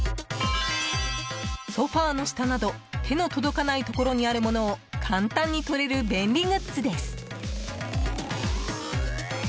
ソファの下など手の届かないところにあるものを簡単に取れる便利グッズです！